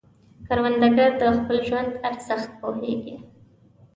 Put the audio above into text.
کروندګر د خپل ژوند ارزښت پوهیږي